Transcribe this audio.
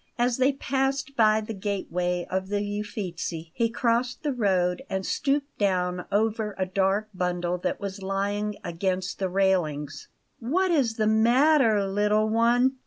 As they passed by the gateway of the Uffizi, he crossed the road and stooped down over a dark bundle that was lying against the railings. "What is the matter, little one?"